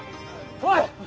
おい！